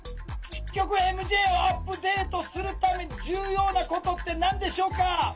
結局ＭＪをアップデートするために重要なことって何でしょうか？